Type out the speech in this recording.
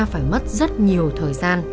phải mất rất nhiều thời gian